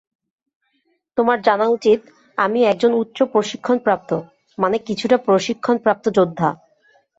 তোমার জানা উচিত আমি একজন উচ্চ প্রশিক্ষণপ্রাপ্ত, মানে কিছুটা প্রশিক্ষণপ্রাপ্ত যোদ্ধা।